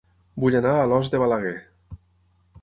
Vull anar a Alòs de Balaguer